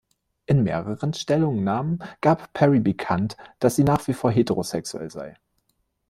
In mehreren Stellungnahmen gab Perry bekannt, dass sie nach wie vor heterosexuell sei.